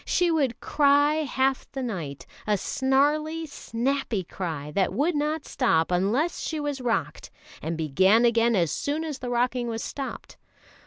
She would cry half the night, a snarly, snappy cry, that would not stop unless she was rocked, and began again as soon as the rocking was stopped.